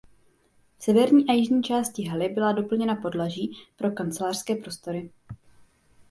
V severní a jižní části haly byla doplněna podlaží pro kancelářské prostory.